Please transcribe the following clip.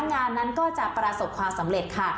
งานนั้นก็จะประสบความสำเร็จค่ะ